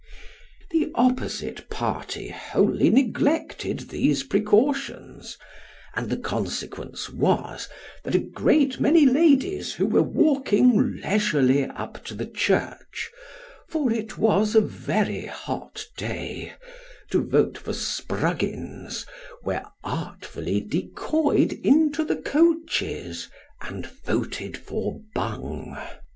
The opposite party wholly neglected these precautions, and the consequence was, that a great many ladies who were walking leisurely up to the church for it was a very hot day to vote for Spruggins, were artfully decoyed into the coaches, and voted for Bung.